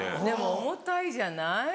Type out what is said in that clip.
でも重たいじゃない。